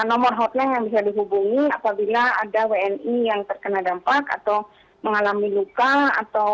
nomor hotline yang bisa dihubungi apabila ada wni yang terkena dampak atau mengalami luka atau mengalami akibat gempa ini yang bisa kami berikan bantuan